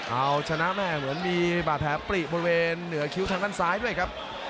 เอาชนะแม่เหมือนมีบาดแผลปลีบริเวณเหนือคิ้วทางด้านซ้ายด้วยครับ